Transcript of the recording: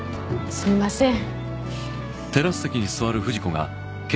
すみません